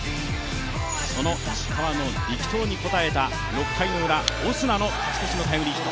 その石川の力投に応えた６回ウラ、オスナの勝ち越しのタイムリーヒット。